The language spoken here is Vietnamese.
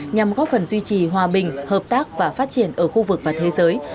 nhằm góp phần duy trì hòa bình hợp tác và phát triển ở khu vực và thế giới